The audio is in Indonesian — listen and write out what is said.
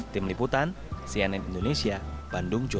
tim liputan cnn indonesia bandung jawa barat